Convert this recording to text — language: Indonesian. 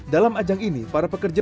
dalam ajang ini para pekerja